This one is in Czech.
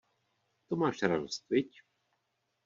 To máš radost, viď?